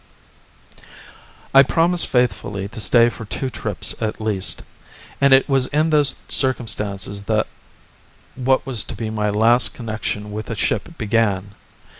I promised faithfully to stay for two trips at least, and it was in those circumstances that what was to be my last connection with a ship began.